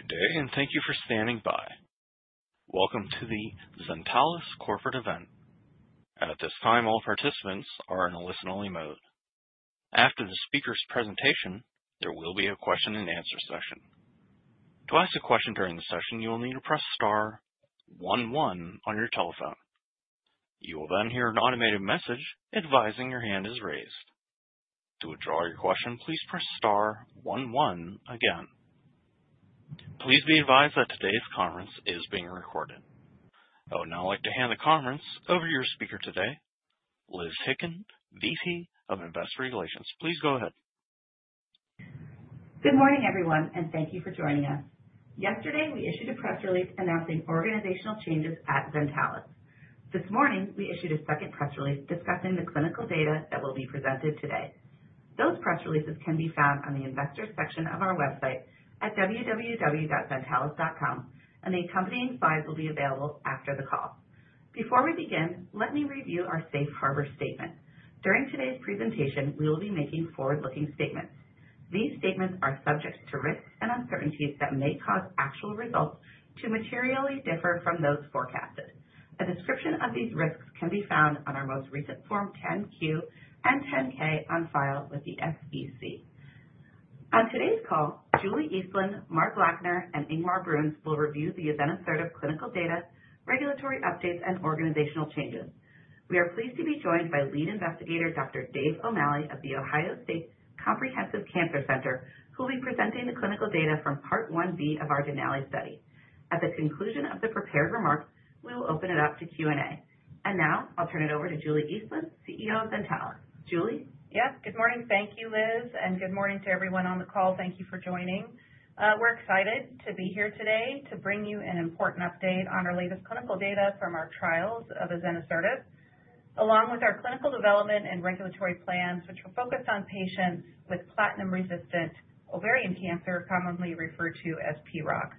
Good day and thank you for standing by. Welcome to the Zentalis corporate event. At this time all participants are in a listen only mode. After the speaker's presentation, there will be a question and answer session. To ask a question during the session, you will need to press star 11 on your telephone. You will then hear an automated message advising your hand is raised. To withdraw your question, please press star 11 again. Please be advised that today's conference is being recorded. I would now like to hand the. Conference over to your speaker today, Liz Hicken, VP of Investor Relations. Please go ahead. Good morning everyone and thank you for joining us. Yesterday we issued a press release announcing organizational changes at Zentalis. This morning we issued a second press release discussing the clinical data that will be presented today. Those press releases can be found on the investors section of our website at www.zentalis.com and the accompanying slides will be available after the call. Before we begin, let me review our safe harbor statement. During today's presentation we will be making forward looking statements. These statements are subject to risks and uncertainties that may cause actual results to materially differ from those forecasted. A description of these risks can be found on our most recent Form 10-Q and 10-K on file with the SEC. On today's call, Julie Eastland, Mark Lackner and Ingmar Bruns will review the azenosertib clinical data, regulatory updates and organizational changes. We are pleased to be joined by lead investigator Dr. David M. O'Malley of the Ohio State Comprehensive Cancer Center who will be presenting the clinical data from Part 1B of our Denali study. At the conclusion of the prepared remarks, we will open it up to Q and A. Now I'll turn it over to Julie Eastland, CEO of Zentalis. Julie? Yep, good morning. Thank you, Liz. And good morning to everyone on the call. Thank you for joining. We're excited to be here today to bring you an important update on our latest clinical data from our trials of azenosertib, along with our clinical development and regulatory plans which are focused on patients with platinum-resistant ovarian cancer, commonly referred to as PROC.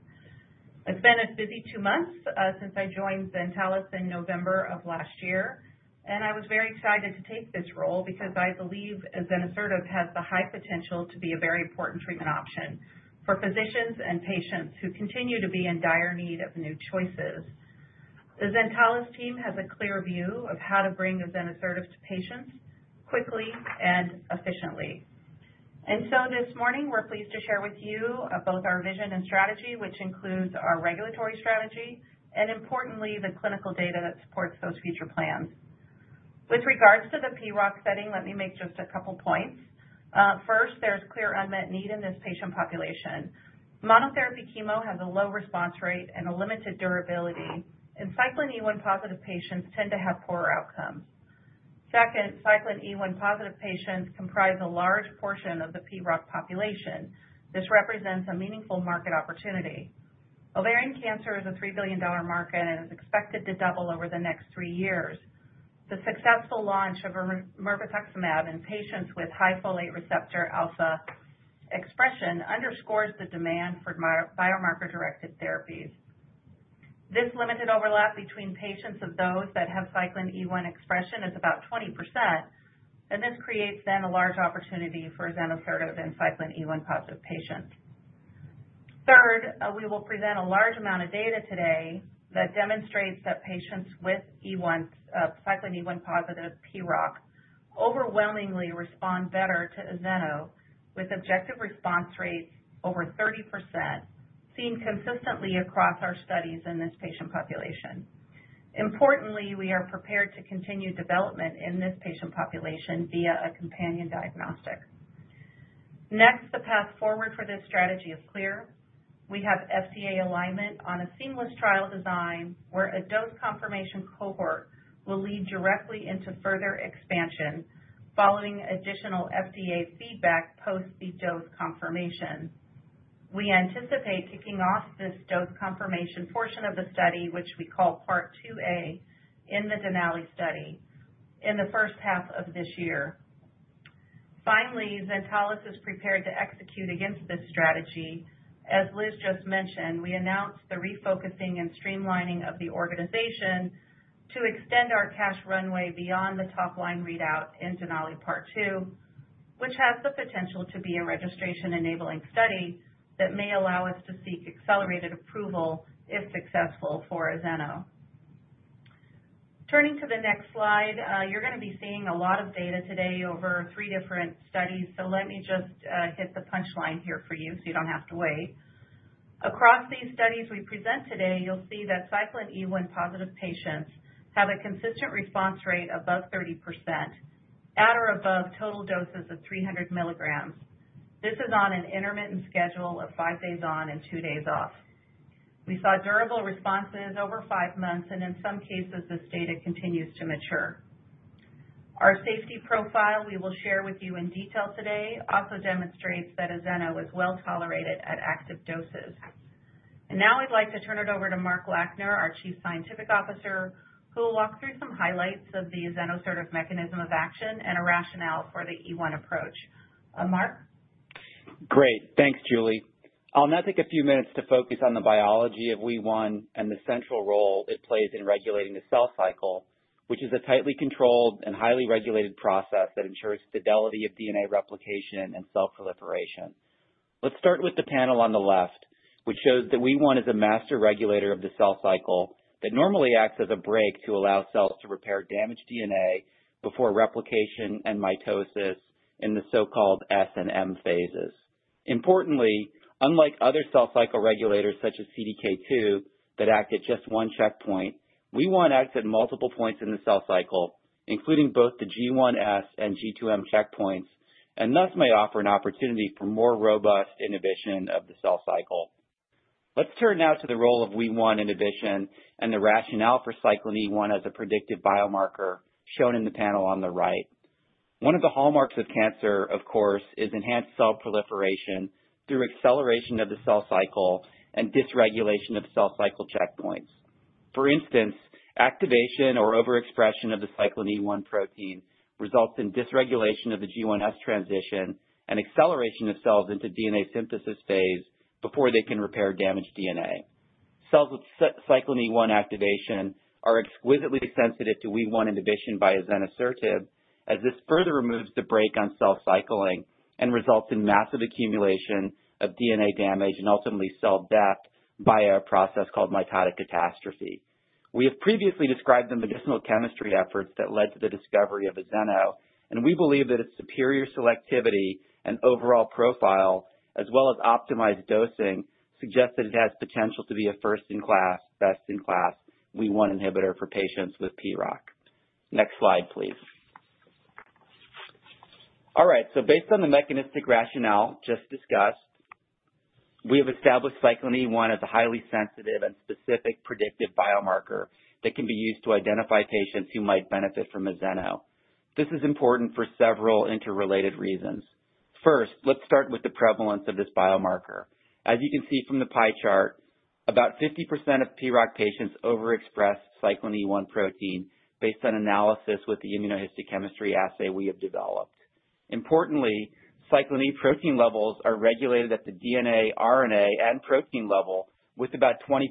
It's been a busy two months since I joined Zentalis in November of last year and I was very excited to take this role because I believe azenosertib has the high potential to be a very important treatment option for physicians and patients who continue to be in dire need of new choices. The Zentalis team has a clear view of how to bring azenosertib to patients quickly and efficiently. And so this morning we're pleased to share with you both our vision and strategy, which includes our regulatory strategy and importantly the clinical data that supports those future plans. With regards to the PROC setting, let me make just a couple points. First, there's clear unmet need in this patient population. Monotherapy chemo has a low response rate and a limited durability and cyclin E1 positive patients tend to have poorer outcomes. Second, cyclin E1 positive patients comprise a large portion of the PROC population. This represents a meaningful market opportunity. Ovarian cancer is a $3 billion market and is expected to double over the next three years. The successful launch of mirvetuximab in patients with high folate receptor alpha expression underscores the demand for biomarker directed therapies. This limited overlap between patients of those that have cyclin E1 expression is about 20% and this creates then a large opportunity for Azeno and cyclin E1 positive patients. Third, we will present a large amount of data today that demonstrates that patients with cyclin E1 positive PROC overwhelmingly respond better to Azeno with objective response rates over 30% seen consistently across our studies in this patient population. Importantly, we are prepared to continue development in this patient population via a companion diagnostic. Next, the path forward for this strategy is clear. We have FDA alignment on a seamless trial design where a dose confirmation cohort will lead directly into further expansion following additional FDA feedback post the dose confirmation. We anticipate kicking off this dose confirmation portion of the study, which we call part 2A in the Denali study in the first half of this year. Finally, Zentalis is prepared to execute against this strategy. As Liz just mentioned, we announced the refocusing and streamlining of the organization to extend our cash runway beyond the top line readout in Denali Part 2, which has the potential to be a registration enabling study that may allow us to seek accelerated approval if successful for Azeno. Turning to the next slide, you're going to be seeing a lot of data today over three different studies, so let me just hit the punchline here for you so you don't have to wait. Across these studies we present today, you'll see that cyclin E1 positive patients have a consistent response rate above 30% at or above total doses of 300 mg. This is on an intermittent schedule of five days on and two days off. We saw durable responses over five months and in some cases this data continues to mature. Our safety profile we will share with you in detail today also demonstrates that Azeno is well tolerated at active doses and now I'd like to turn it over to Mark Lackner, our Chief Scientific Officer, who will walk through some highlights of the azenosertib mechanism of action and a rationale for the E1 approach. Mark, Great. Thanks, Julie. I'll now take a few minutes to focus on the biology of WEE1 and the central role it plays in regulating the cell cycle, which is a tightly controlled and highly regulated process that ensures fidelity of DNA replication and cell proliferation. Let's start with the panel on the left which shows that WEE1 is a master regulator of the cell cycle that normally acts as a brake to allow cells to repair damaged DNA before replication and mitosis in the so-called S and M phases. Importantly, unlike other cell cycle regulators such as CDK2 that act at just one checkpoint, WEE1 acts at multiple points in the cell cycle, including both the G1-S and G2-M checkpoints, and thus may offer an opportunity for more robust inhibition of the cell cycle. Let's turn now to the role of WEE1 inhibition and the rationale for cyclin E1 as a predictive biomarker shown in the panel on the right. One of the hallmarks of cancer, of course, is enhanced cell proliferation through acceleration of the cell cycle and dysregulation of cell cycle checkpoints. For instance, activation or overexpression of the cyclin E1 protein results in dysregulation of the G1-S transition and acceleration of cells into DNA synthesis phase before they can repair damaged DNA. Cells with cyclin E1 activation are exquisitely sensitive to WEE1 inhibition by azenosertib as this further removes the brake on cell cycling and results in massive accumulation of DNA damage and ultimately cell death by a process called mitotic catastrophe. We have previously described the medicinal chemistry efforts that led to the discovery of Azeno and we believe that its superior selectivity and overall profile, as well as optimized dosing suggest that it has potential to be a first-in-class, best-in-class WEE1 inhibitor for patients with PROC. Next slide please. All right, so based on the mechanistic rationale just discussed, we have established cyclin E1 as a highly sensitive and specific predictive biomarker that can be used to identify patients who might benefit from Azeno. This is important for several interrelated reasons. First, let's start with the prevalence of this biomarker. As you can see from the pie chart, about 50% of PROC patients overexpress cyclin E1 protein based on analysis with the immunohistochemistry assay we have developed. Importantly, cyclin E protein levels are regulated at the DNA, RNA, and protein level, with about 20%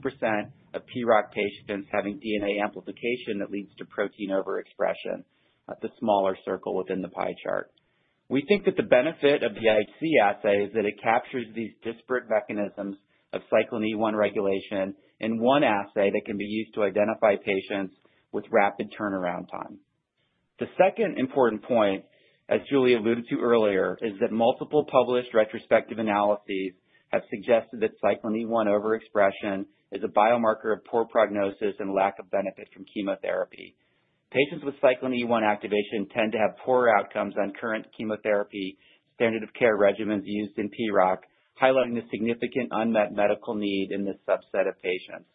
of PROC patients having DNA amplification that leads to protein overexpression, the smaller circle within the pie chart. We think that the benefit of the IHC assay is that it captures these disparate mechanisms of cyclin E1 regulation in one assay that can be used to identify patients with rapid turnaround time. The second important point, as Julie alluded to earlier, is that multiple published retrospective analyses have suggested that cyclin E1 overexpression is a biomarker of poor prognosis and lack of benefit from chemotherapy. Patients with cyclin E1 activation tend to have poorer outcomes on current chemotherapy standard of care regimens used in PROC, highlighting the significant unmet medical need in this subset of patients.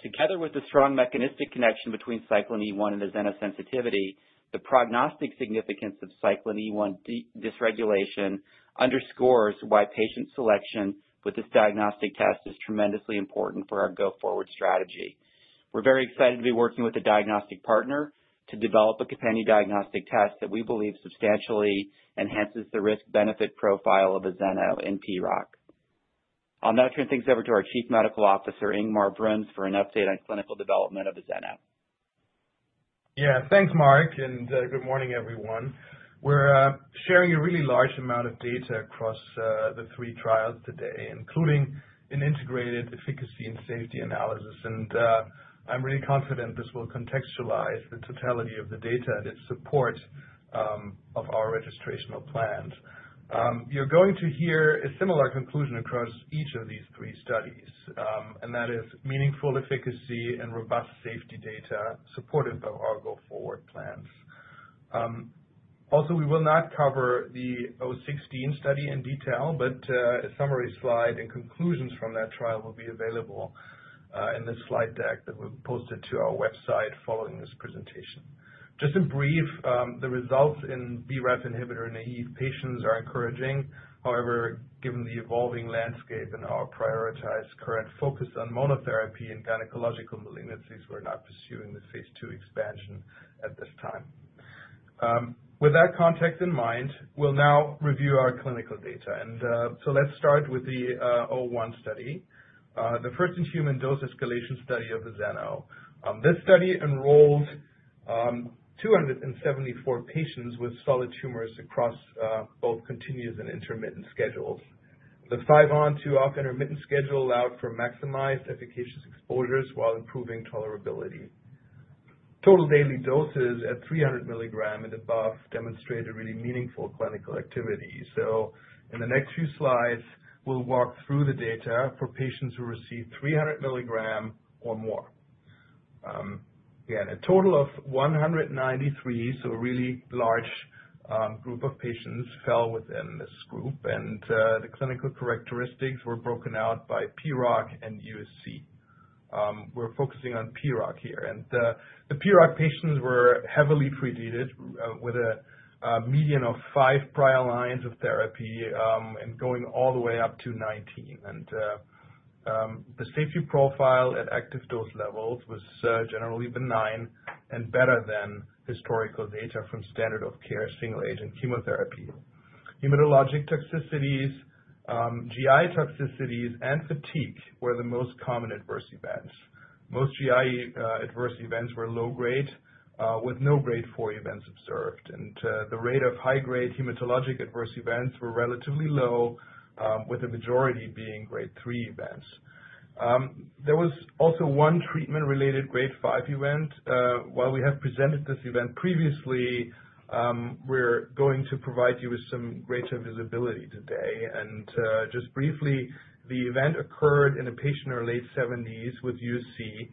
Together with the strong mechanistic connection between cyclin E1 and the Azeno sensitivity, the prognostic significance of cyclin E1 dysregulation underscores why patient selection with this diagnostic test is tremendously important for our go forward strategy. We're very excited to be working with a diagnostic partner to develop a CCNE1 diagnostic test that we believe substantially enhances the risk benefit profile of Azeno in PROC. I'll now turn things over to our Chief Medical Officer Ingmar Bruns for an update on clinical development of Azeno. Yeah, thanks, Mark, and good morning, everyone. We're sharing a really large amount of data across the three trials today, including an integrated efficacy and safety analysis, and I'm really confident this will contextualize the totality of the data, its support of our registrational plans. You're going to hear a similar conclusion across each of these three studies, and that is meaningful efficacy and robust safety data supported by our go forward plans. Also, we will not cover the O16 study in detail, but a summary slide and conclusions from that trial will be available in the slide deck that will be posted to our website following this presentation. Just in brief, the results in BRAF inhibitor naïve patients are encouraging. However, given the evolving landscape and our prioritized current focus on monotherapy and gynecological malignancies, we're not pursuing the phase two. Expansion at this time. With that context in mind, we'll now review our clinical data. So let's start with the 01 study, the first-in-human dose escalation study of azenosertib. This study enrolled 274 patients with solid tumors across both continuous and intermittent schedules. The 5-on/2-off intermittent schedule allowed for maximized efficacious exposures while improving tolerability. Total daily doses at 300 mg and above demonstrate a really meaningful clinical activity. So in the next few slides we'll walk through the data for patients who receive 300 milligram or more. Again a total of 193 so really large group of patients fell within this group and the clinical characteristics were broken out by PROC and USC. We're focusing on PROC here and the PROC patients were heavily pre-treated with a median of five prior lines of therapy and going all the way up to 19 and the safety profile at active dose levels was generally benign and better than historical data from standard of care. Single agent chemotherapy, hematologic toxicities, GI toxicities and fatigue were the most common adverse events. Most GI adverse events were low grade with no grade 4 events observed and the rate of high grade hematologic adverse events were relatively low with the majority being grade three events. There was also one treatment related grade five event. While we have presented this event previously, we're going to provide you with some greater visibility today. And just briefly, the event occurred in a patient in her late 70s with USC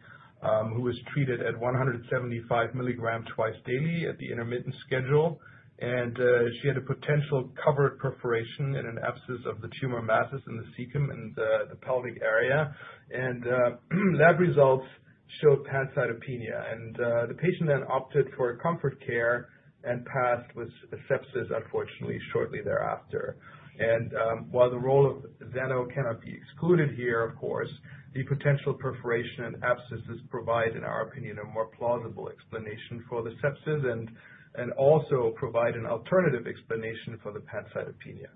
who was treated at 175 milligram twice daily at the intermittent schedule, and she had a potential covered perforation and an abscess of the tumor masses in the cecum and the pelvic area, and lab results showed pancytopenia, and the patient then opted for comfort care and passed with sepsis, unfortunately, shortly thereafter. While the role of Azeno cannot be excluded here, of course the potential perforation and abscesses provide, in our opinion, a more plausible explanation for the sepsis and also provide an alternative explanation for the pancytopenia.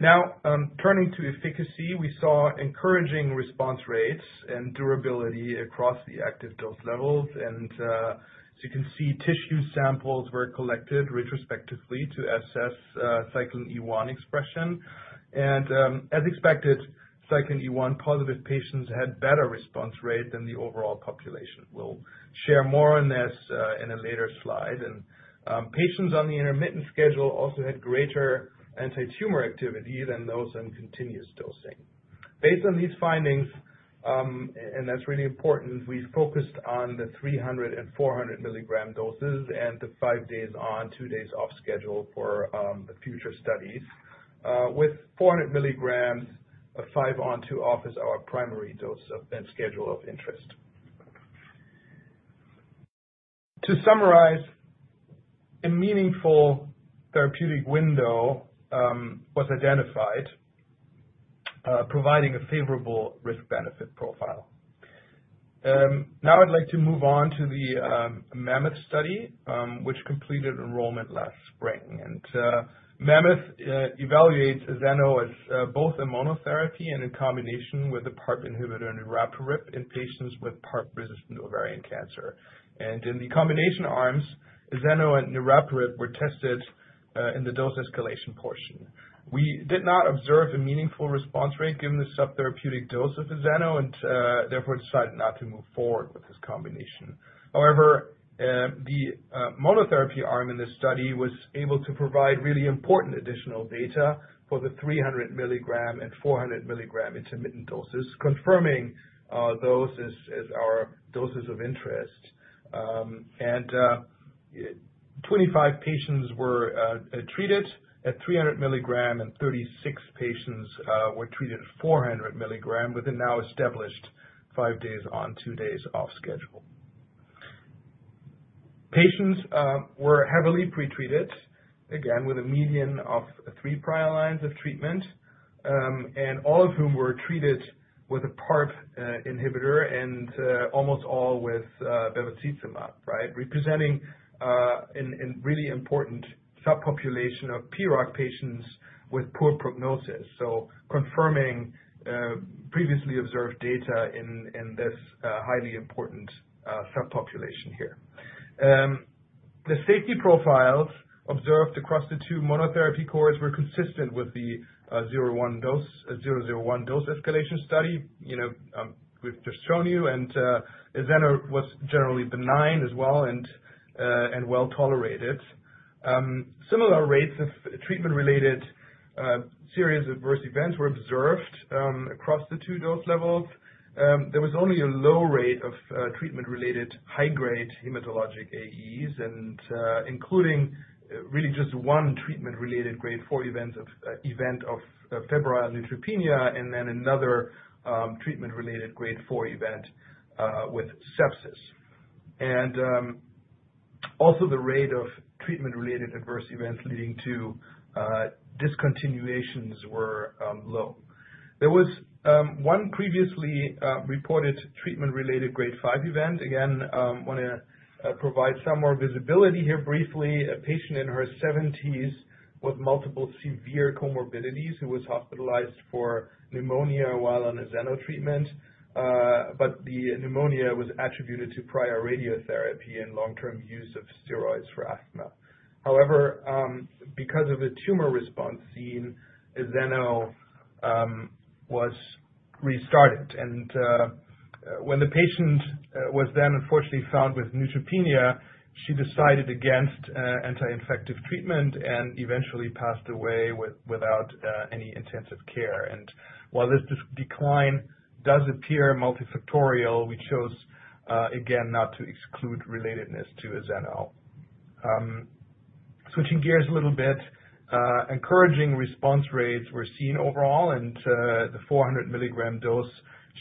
Now turning to efficacy, we saw encouraging response rates and durability across the active dose levels, and as you can see, tissue samples were collected retrospectively to assess cyclin E1 expression. And as expected, cyclin E1 positive patients had better response rate than the overall population. We'll share more on this in a later slide, and patients on the intermittent schedule also had greater antitumor activity than. Those on continuous dosing. Based on these findings, and that's really important, we focused on the 300- and 400-milligram doses and the five days on two days off schedule for future studies with 400 milligrams of five on two off as our primary dose and schedule of interest. To summarize, a meaningful therapeutic window was identified, providing a favorable risk-benefit profile. Now I'd like to move on to the Mammoth study, which completed enrollment last spring, and Mammoth evaluates Azeno as both a monotherapy and in combination with the PARP inhibitor niraparib in patients with PARP-resistant ovarian cancer, and in the combination arms, Azeno and niraparib were tested in the dose escalation portion. We did not observe a meaningful response rate given the subtherapeutic dose of Azeno and therefore decided not to move forward with this combination. However, the monotherapy arm in this study was able to provide really important additional data for the 300 milligram and 400 milligram intermittent doses, confirming those as our doses of interest and 25 patients were treated at 300 milligram and 36 patients were treated 400 milligram with a now established five days on two days off schedule. Patients were heavily pretreated again with a median of 3 prior lines of treatment and all of whom were treated with a PARP inhibitor and almost all with bevacizumab, right, representing a really important subpopulation of PROC patients with poor prognosis, so confirming previously observed data in this highly important subpopulation. Here the safety profiles observed across the two monotherapy cohorts were consistent with the phase 1 dose escalation study. You know we've just shown you and Azeno was generally benign as well and well tolerated. Similar rates of treatment-related serious adverse events were observed across the two dose levels. There was only a low rate of treatment-related high-grade hematologic AEs including really just one treatment-related grade 4 event of febrile neutropenia and then another treatment-related grade four event with sepsis, and also the rate of treatment-related adverse events leading to discontinuations were low. There was one previously reported treatment-related grade 5 event. Again, I want to provide some more visibility here. Briefly, a patient in her 70s with multiple severe comorbidities who was hospitalized for pneumonia while on Azeno treatment but the pneumonia was attributed to prior radiotherapy and long-term use of steroids for asthma. However, because of the tumor response seen, Azeno was restarted, and when the patient was then unfortunately found with neutropenia, she decided against anti-infective treatment and eventually passed away without any intensive care. And while this decline does appear multifactorial, we chose again not to exclude relatedness to Azeno. Switching gears a little bit. Encouraging response rates were seen overall, and the 400 milligram dose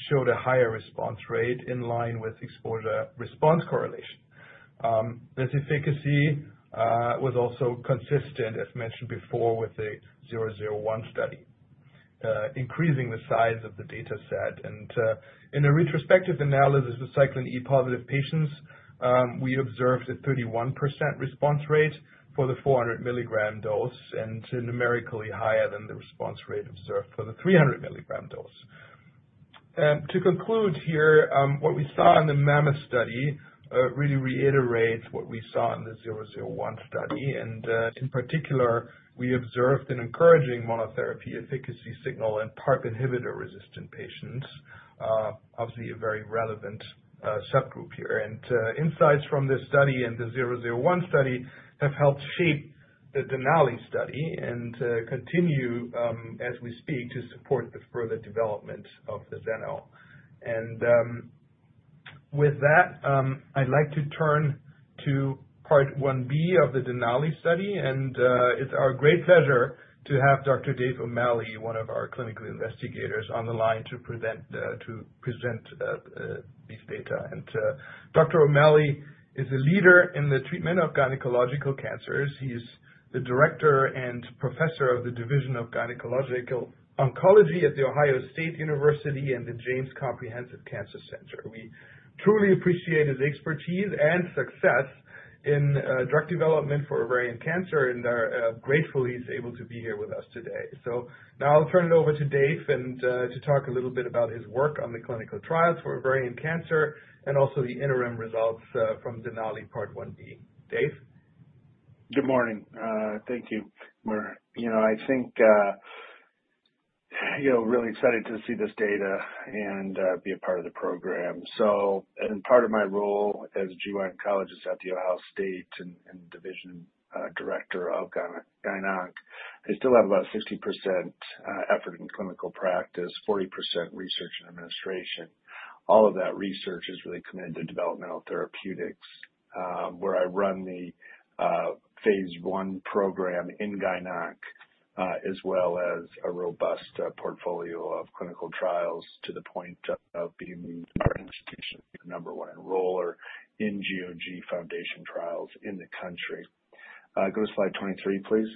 showed a higher response rate in line with exposure-response correlation. This efficacy was also consistent, as mentioned before, with the 001 study, increasing the size of the data set. And in a retrospective analysis of cyclin E-positive patients, we observed a 31% response rate for the 400 milligram dose and numerically higher than the response rate observed for the 300 milligram dose. To conclude here, what we saw in the Mammoth study really reiterates what we saw in the 001 study. In particular, we observed an encouraging monotherapy efficacy signal in PARP inhibitor resistant patients, obviously a very relevant subgroup here. Insights from this study and the 001 study have helped shape the Denali study and continue as we speak to. Support the further development of the Azeno. With that, I'd like to turn to Part 1B of the Denali study. It's our great pleasure to have Dr. David O'Malley, one of our clinical investigators, on the line to present this, to present these data. Dr. O'Malley is a leader in the treatment of gynecologic cancers. He is the director and professor of the division of Gynecologic Oncology at the Ohio State University Comprehensive Cancer Center and the James. We truly appreciate his expertise and success in drug development for ovarian cancer and are grateful he's able to be here with us today. So. So now I'll turn it over to Dave to talk a little bit about his work on the clinical trials for ovarian cancer and also the interim results from Denali Part 1B. Dave, good morning. Thank you. I'm really excited to see this data and be a part of the program. Part of my role as gynecologist at Ohio State and division director of GYNONC, I still have about 60% effort in clinical practice, 40% research and administration. All of that research is really committed to developmental therapeutics where I run the phase 1 program in GYNONC, as well as a robust portfolio of clinical trials to the point of being our institution's number one enroller in GOG Foundation trials in the country. Go to slide 23, please.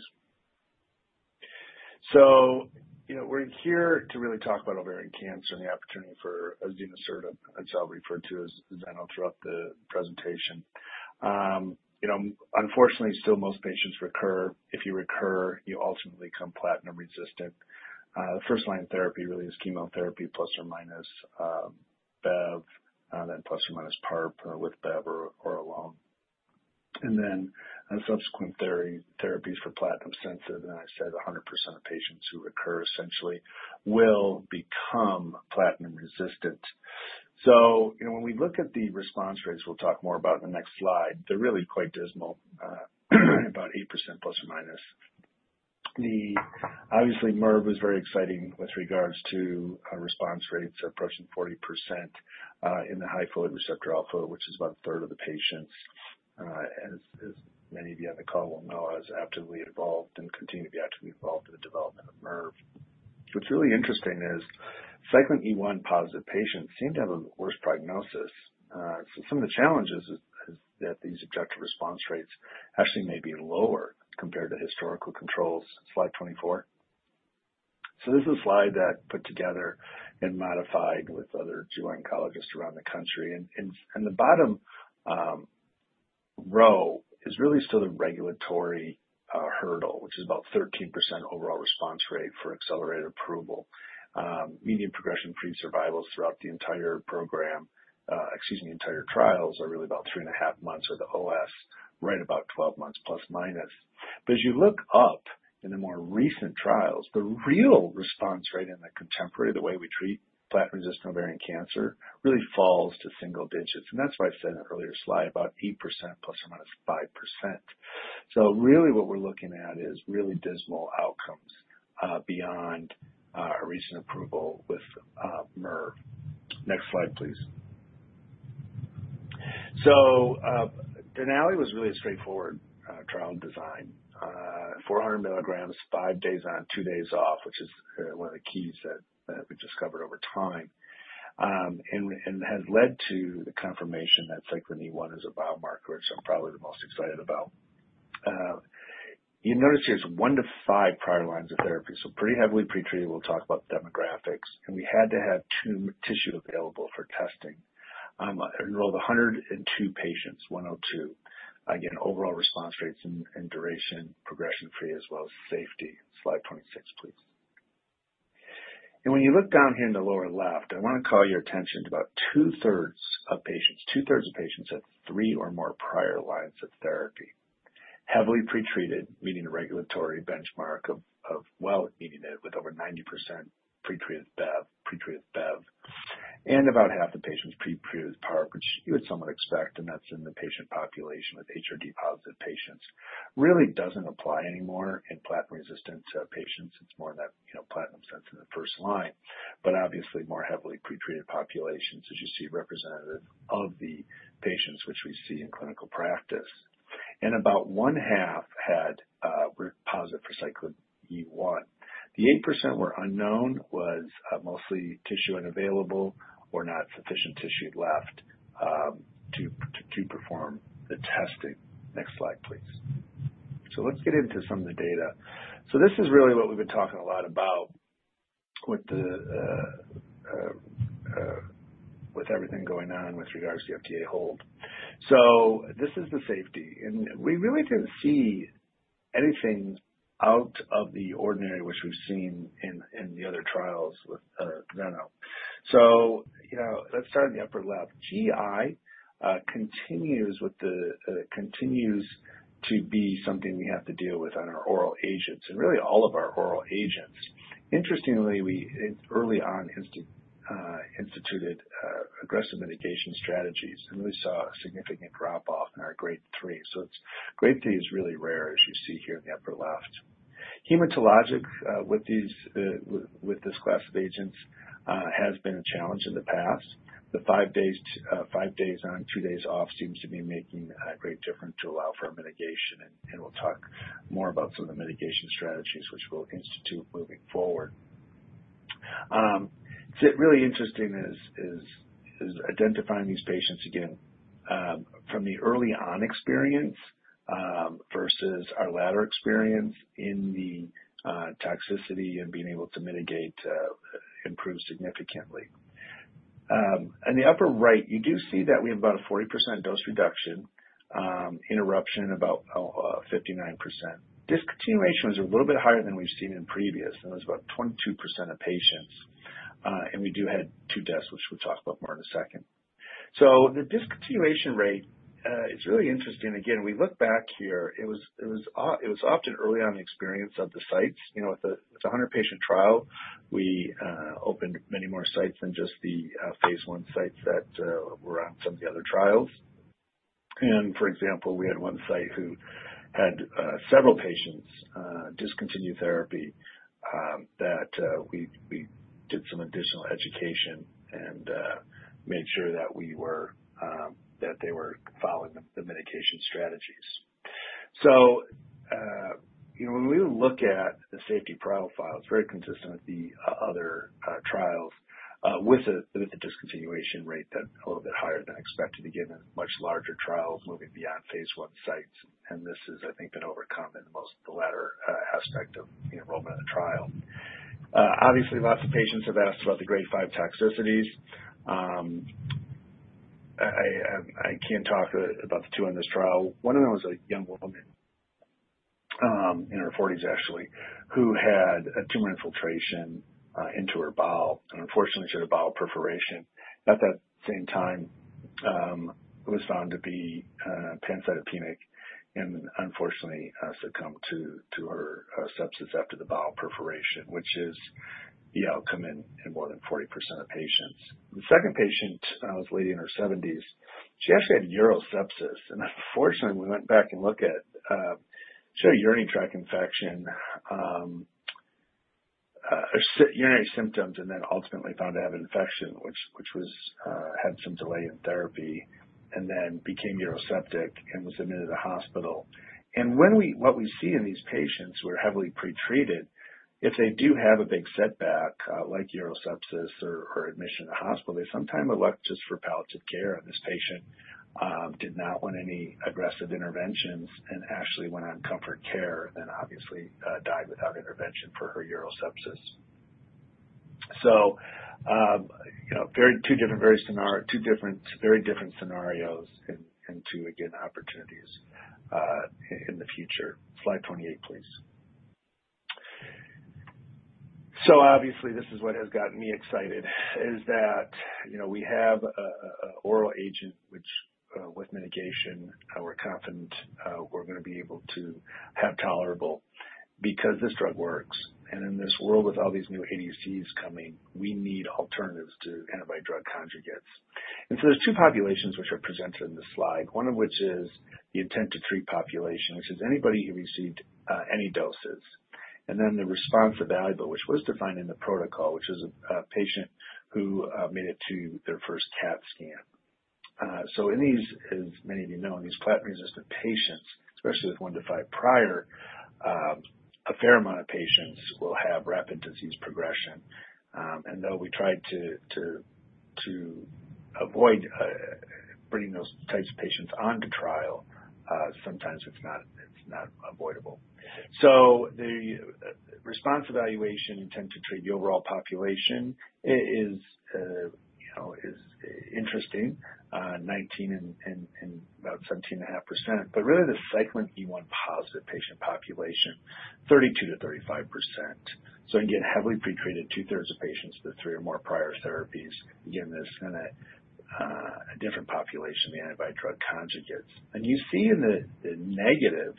We're here to really talk about ovarian cancer and the opportunity for azenosertib, which I'll refer to as Azeno throughout the presentation. Unfortunately, still, most patients recur. If you recur, you ultimately become platinum resistant. The first line therapy really is chemotherapy plus or minus BEV and then plus or minus PARP with BEV or alone and then subsequent therapies for platinum-sensitive, and I said 100% of patients who recur essentially will become platinum-resistant, so when we look at the response rates we'll talk more about in the next slide, they're really quite dismal, about 8% plus or minus. Obviously MIRV was very exciting with regards to response rates approaching 40% in the high folate receptor alpha, which is about a third of the patients. As many of you on the call will know, I was actively involved and continue to be actively involved in the development of MIRV. What's really interesting is cyclin E1 positive patients seem to have a worse prognosis, so some of the challenges is that these objective response rates actually may be lower compared to historical controls. Slide 24. This is a slide that I put together and modified with other gyne oncologists around the country. The bottom ORR is really still the regulatory hurdle, which is about 13% overall response rate for accelerated approval, median progression free survivals throughout the entire program. Excuse me, entire trials are really about three and a half months or the OS, right? About 12 months plus minus. But as you look up in the more recent trials, the real response rate in the contemporary way we treat platinum resistant ovarian cancer really falls to single digits. That's why I said in an earlier slide, about 8% plus or minus 5. Really what we're looking at is really dismal outcomes beyond recent approval with Mirv. Next slide, please. Denali was really a straightforward trial design. mg five days on, two days off, which is one of the keys that we discovered over time and has led to the confirmation that cyclin E1 is a biomarker, which I'm probably the most excited about. You notice here it's one to five prior lines of therapy, so pretty heavily pretreated. We'll talk about demographics and we had to have tumor tissue available for testing, enrolled 102 patients, 102 again, overall response rates and duration, progression free as well as safety. Slide 26, please. When you look down here in. The lower left, I want to call your attention to about two-thirds of patients, two-thirds of patients at three or more prior lines of therapy, heavily pretreated, meeting a regulatory benchmark of, well meaning it with over 90% pretreated BEV and about half the patients pretreated PARP, which you would somewhat expect, and that's in the patient population with HRD-positive patients really doesn't apply anymore in platinum-resistant patients. It's more in that platinum-sensitive sense in the first line but obviously more heavily pretreated populations. As you see, representative of the patients which we see in clinical practice and about one-half were positive for cyclin E1. The 8% were unknown. Which was mostly tissue unavailable or not sufficient tissue left to perform the testing. Next slide please. Let's get into some of the data. This is really what we've been talking a lot about with the. With. Everything going on with regards to the FDA hold. So this is the safety and we really didn't see anything out of the ordinary which we've seen in the other trials with Azeno. So let's start in the upper left. GI continues to be something we have to deal with on our oral agents and really all of our oral agents. Interestingly, we early on instituted aggressive mitigation strategies and really saw a significant drop off in our grade three. So grade three is really rare as you see here in the upper left. Hematologic with this class of agents has been a challenge in the past. The five days on, two days off seems to be making a great difference to allow for mitigation. And we'll talk more about some of the mitigation strategies which we'll institute moving forward. What's really interesting is identifying these patients again from the early on experience versus our latter experience in the toxicity and being able to mitigate improve significantly. In the upper right you do see that we have about a 40% dose reduction in eruption, about 59%. Discontinuations are a little bit higher than we've seen in previous and it was about 22% of patients, and we did have two deaths which we'll talk about more in a second. The discontinuation rate is really interesting. Again we look back here, it was often early on the experience of the sites. With the 100 patient trial we opened many more sites than just the phase one sites that were on some of the other trials. For example, we had one site who had several patients discontinued therapy that we did some additional education and made sure that they were following the mitigation strategies. So when we look at the safety profile, it's very consistent with the other trials with a discontinuation rate that a little bit higher than expected. Again, much larger trials moving beyond phase one sites. And this has I think been overcome in most of the latter aspect of enrollment of the trial. Obviously lots of patients have asked about the grade five toxicities. I can't talk about the two on this trial. One of them was a young woman in her 40s actually who had a tumor infiltration into her bowel and unfortunately she had a bowel perforation at that same time, was found to be pancytopenic and unfortunately succumbed to her sepsis after the bowel perforation, which is the outcome in more than 40% of patients. The second patient was a lady in her 70s, she actually had urosepsis and unfortunately we went back and look at she had a urinary tract infection. Then ultimately found to have infection which had some delay in therapy and then became uroseptic and was admitted to hospital. What we see in these patients who are heavily pretreated, if they do have a big setback like urosepsis or admission to hospital, they sometimes elect just for palliative care. This patient did not want any aggressive interventions and actually went on comfort care, then obviously died without intervention for her urosepsis. Two different, very different scenarios and two again opportunities in the future. Slide 28 please. Obviously this is what has gotten me excited is that we have an oral agent which with mitigation we're confident we're going to be able to have tolerable because this drug works. In this world with all these new ADCs coming, we need alternatives to antibody drug conjugates. There's two populations which are presented in this slide, one of which is the intent to treat population which is anybody who received any doses and then the response evaluable which was defined in the protocol, which is a patient who made it to their first CAT scan. So in these, as many of you know, in these platinum-resistant patients, especially with one to five prior, a fair amount of patients will have rapid disease progression. And though we tried to avoid bringing those types of patients onto trial, sometimes it's not avoidable. So the response evaluation intent to treat, the overall population is interesting 19% and about 17.5% but really the cyclin E1 positive patient population, 32%-35%. So again heavily pretreated, 2/3 of patients, the three or more prior therapies, again this in a different population, the antibody-drug conjugates. And you see in the negative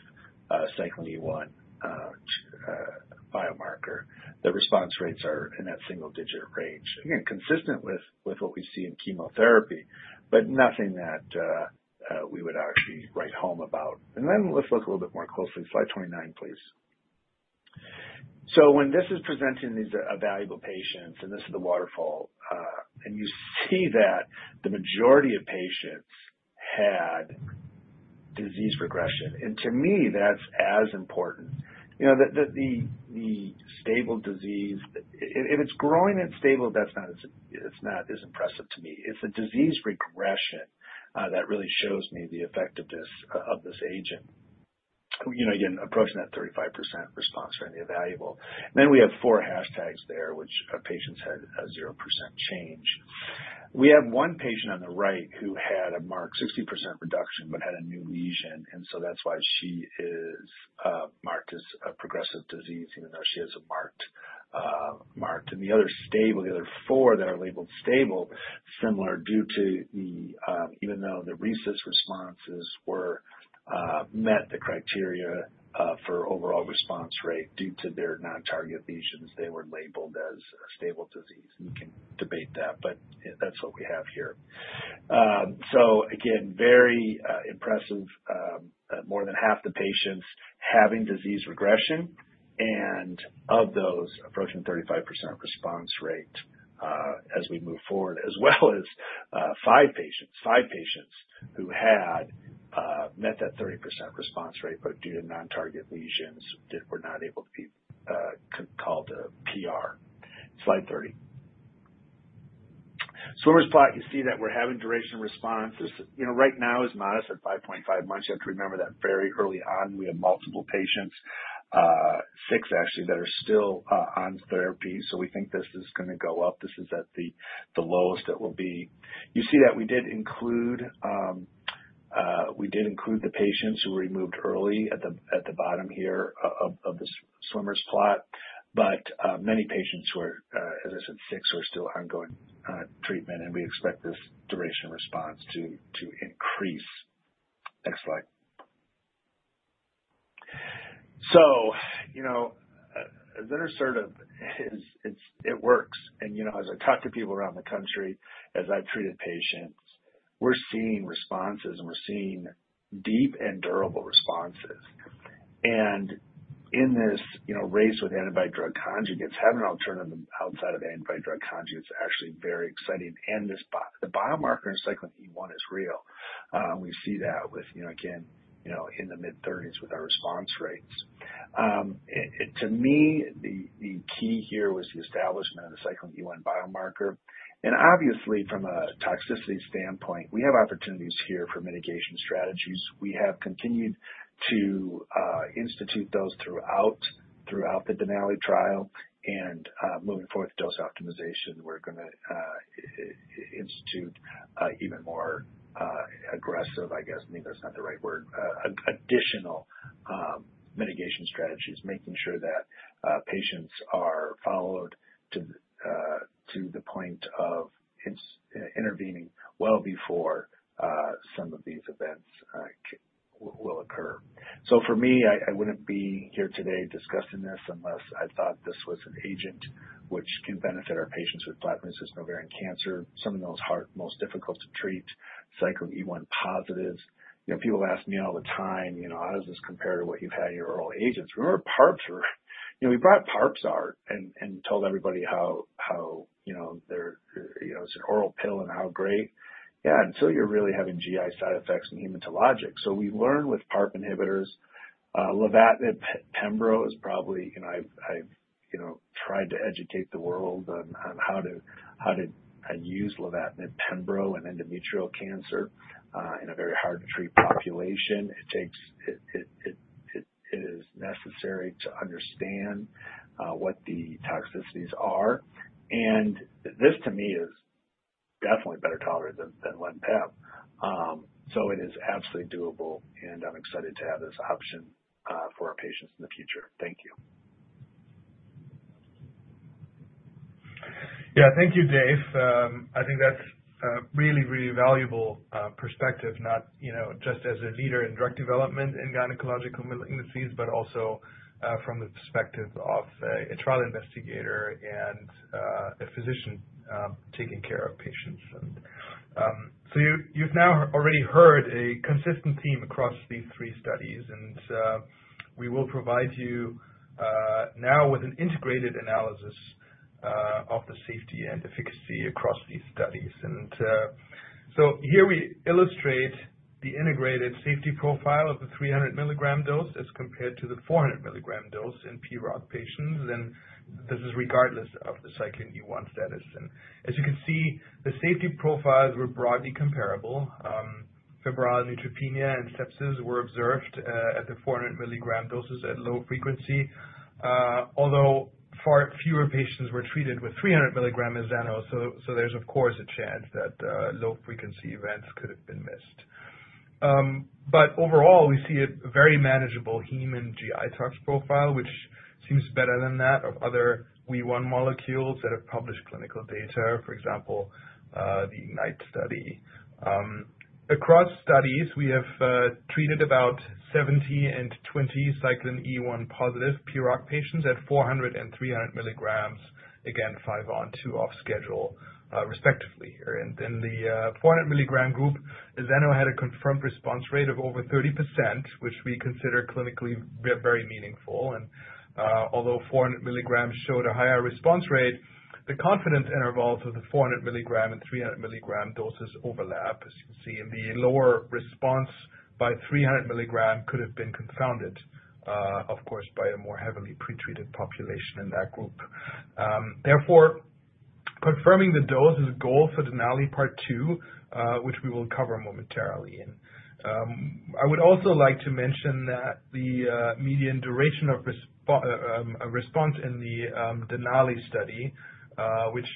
cyclin E1 biomarker, the response rates are in that single digit range, again consistent with what we see in chemotherapy, but nothing that we would actually write home about. And then let's look a little bit more closely. Slide 29 please. So when this is presenting these evaluable patients and this is the Waterfall and you see that the majority of patients had disease progression. And to me that's as important. You know, the stable disease, if it's growing and stable, that's not as impressive to me. It's a disease regression that really shows me the effectiveness of this agent. You know, again approaching that 35% response for any evaluable. Then we have four hashtags there which a patient's had 0% change. We have one patient on the right who had a marked 60% reduction but had a new lesion. And so that's why she is marked as a progressive disease even though she has a marked and the other stable. The other four that are labeled stable similar due to the. Even though the RECIST responses were met the criteria for overall response rate due to their non-target lesions, they were labeled as stable disease. You can debate that, but that's what we have here. So again, very impressive. More than half the patients having disease regression and of those approaching 35% response rate as we move forward as well as five patients, five patients who had met that 30% response rate but due to non-target lesions were not able to be called a PR. 30. Swimmer's plot. You see that the duration of response right now is modest at 5.5 months. You have to remember that very early on we have multiple patients, six actually, that are still on therapy. So we think this is going to go up. This is at the lowest it will be. You see that we did include. We. Did include the patients who removed early at the bottom here of the swimmer plot. But many patients were, as I said, six were still ongoing treatment. And we expect this duration response to increase next slide. So, you know, azenosertib, it works. And as I talk to people around the country as I've treated patients, we're seeing responses and we're seeing deep and durable responses. And in this race with antibody-drug conjugates, having an alternative outside of antibody-drug conjugates actually very exciting. And the biomarker in cyclin E1 is real. We see that with again in the mid-30s with our response rates. To me, the key here was the establishment of the cyclin E1 biomarker. And obviously from a toxicity standpoint, we have opportunities here for mitigation strategies. We have continued to institute those throughout the Denali trial. Moving forward dose optimization, we're going to institute even more aggressive, I guess maybe that's not the right word, additional mitigation strategies making sure that patients are followed to the point of intervening well before some of these events will occur. For me, I wouldn't be here today discussing this unless I thought this was an agent which can benefit our patients with platinum-resistant ovarian cancer, some of the most difficult to treat, cyclin E1 positives. People ask me all the time, how does this compare to what you've had in your oral agents? Remember PARPs, right. You know, we brought PARPs forward and told everybody how, you know, it's an oral pill and how great. Yeah. So you're really having GI side effects and hematologic. We learn with PARP inhibitors. Lenvatinib pembro is probably, you know, I've, you know, tried to educate the world on how to use lenvatinib pembro in endometrial cancer in a very hard-to-treat population. It is necessary to understand what the toxicities are. And this to me is definitely better tolerated than when PARP. So it is absolutely doable and I'm excited to have this option for our patients in the future. Thank you. Yeah, thank you, Dave. I think that's really, really valuable perspective. Not, you know, just as a leader in drug development and gynecological malignancies, but also from the perspective of a trial investigator and a physician taking care of patients. So you've now already heard a consistent theme across these three studies and we will provide you now with an integrated analysis of the safety and efficacy across these studies. So here we illustrate the integrated safety profile of the 300 milligram dose as compared to the 400 milligram dose in PROC patients. And this is regardless of the cyclin E1 status. As you can see, the safety profiles were broadly comparable. Febrile neutropenia and sepsis were observed at the 400 milligram doses at low frequency, although far fewer patients were treated with 300 milligram in Azeno. So there's of course a chance that low frequency events could have been missed. But overall we see a very manageable hemat GI tox profile which seems better than that of other WEE1 molecules that have published clinical data. For example, the Ignite study. Across studies, we have treated about 70 and 20 cyclin E1 positive proc patients at 400 and 300 milligrams, again five on two off schedule, respectively. And in the 400 milligram group, Azeno had a confirmed response rate of over 30%, which we consider clinically very meaningful. And although 400 milligrams showed a higher response rate, the confidence intervals of the 400 milligram and 300 milligram doses overlap. As you can see in the lower response by 300 milligram could have been confounded of course by a more heavily. Pretreated population in that group. Therefore, confirming the dose is a goal for Denali Part 2, which we will cover momentarily. I would also like to mention that the median duration of response, a response in the Denali study which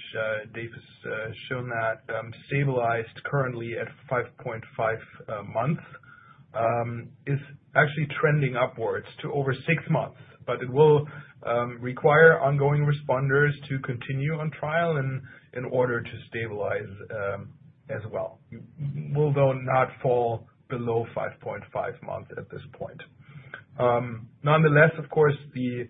Dave has shown that stabilized currently at 5.5 months, is actually trending upwards to over six months. But it will require ongoing responders to continue on trial in order to stabilize as well, although not fall below five. Points at this point. Nonetheless, of course the